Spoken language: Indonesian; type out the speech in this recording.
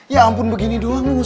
ya ampun begini doang